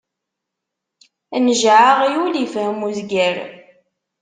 Njeɛ aɣyul, ifhem uzger.